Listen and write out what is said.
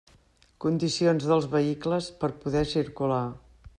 Condicions deis vehicles per poder circular.